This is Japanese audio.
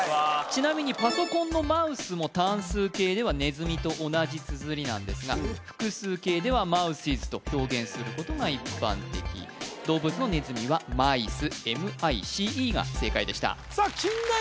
ちなみにパソコンのマウスも単数形ではねずみと同じつづりなんですが複数形ではｍｏｕｓｅｓと表現することが一般的動物のねずみはｍｉｃｅｍｉｃｅが正解でしたさあ！